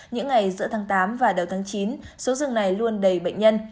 những ngày giữa tháng tám và đầu tháng chín số rừng này luôn đầy bệnh nhân